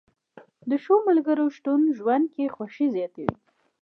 د ښو ملګرو شتون ژوند کې خوښي زیاتوي